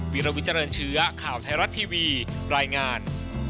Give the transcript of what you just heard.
วิลวิเจริญเชื้อข่าวไทยรัฐทีวีรายงาน